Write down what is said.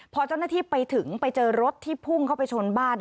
พอเจ้าหน้าที่ไปถึงไปเจอรถที่พุ่งเข้าไปชนบ้าน